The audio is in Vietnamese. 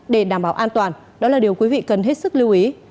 để đảm bảo an toàn đó là điều quý vị cần hết sức lưu ý